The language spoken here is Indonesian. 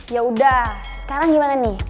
ya udah sekarang gimana nih